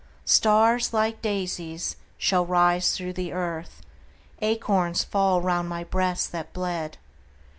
Stars, like daisies, shall rise through the earth, Acorns fall round my breast that bled.